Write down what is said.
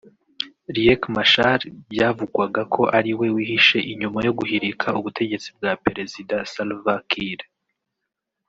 Riek Machar byavugwaga ko ari we wihishe inyuma yo guhirika ubutegetsi bwa Perezida Salva Kiir